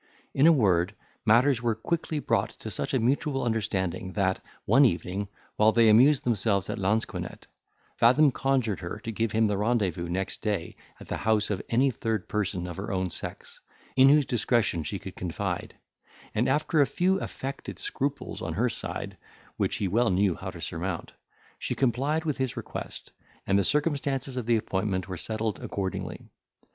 In a word, matters were quickly brought to such a mutual understanding, that, one evening, while they amused themselves at lansquenet, Fathom conjured her to give him the rendezvous next day at the house of any third person of her own sex, in whose discretion she could confide; and, after a few affected scruples on her side, which he well knew how to surmount, she complied with his request, and the circumstances of the appointment were settled accordingly.